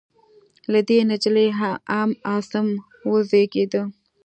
له دې نجلۍ ام عاصم وزېږېده.